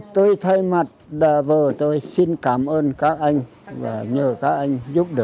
tôi thay mặt bà vợ tôi xin cảm ơn các anh